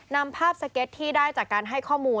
นำภาพสเก็ตที่ได้จากการให้ข้อมูล